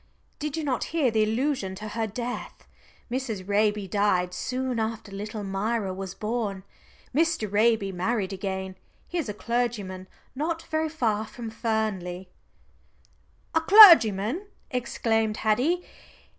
"Did you not hear the allusion to her death? Mrs. Raby died soon after little Myra was born. Mr. Raby married again he is a clergyman not very far from Fernley " "A clergyman," exclaimed Haddie.